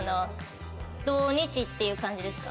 土日っていう感じですか？